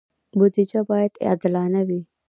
بودجه باید عادلانه وي